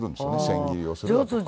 千切りをするとか。